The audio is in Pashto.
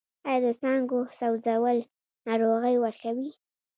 آیا د څانګو سوځول ناروغۍ ورکوي؟